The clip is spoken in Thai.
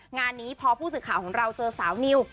งานนี้พอผู้สื่อข่าวของเราเจอสาวนิว